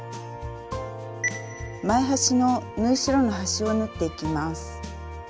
前端の縫い代の端を縫っていきます。